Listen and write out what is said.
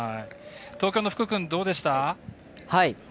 東京の福くんどうでした？